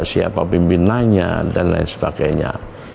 siapa pimpinannya dan lain sebagainya